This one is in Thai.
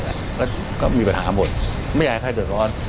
แล้วก็มีปัญหาหมดไม่อยากให้ใครเดือดร้อน